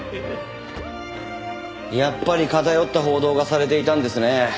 やっぱり偏った報道がされていたんですね。